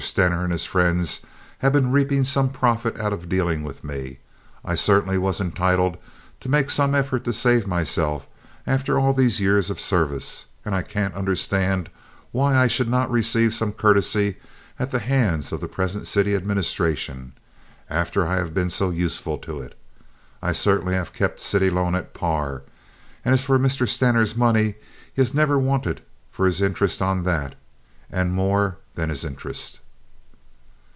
Stener and his friends have been reaping some profit out of dealing with me. I certainly was entitled to make some effort to save myself after all these years of service, and I can't understand why I should not receive some courtesy at the hands of the present city administration, after I have been so useful to it. I certainly have kept city loan at par; and as for Mr. Stener's money, he has never wanted for his interest on that, and more than his interest."